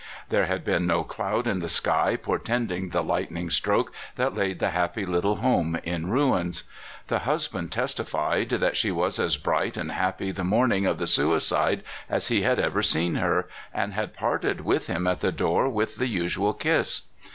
There had been no cloud in the sky portending the light ning stroke that laid the happy little home in ruins. The husband testified that she was as bright and happy the morning of the suicide as he had ever seen her, and had parted with him at the door with the usual kiss.